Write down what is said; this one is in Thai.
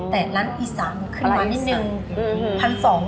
แต่ร้านอีสานมันขึ้นมานิดนึง